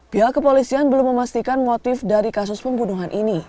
pihak kepolisian belum memastikan motif dari kasus pembunuhan ini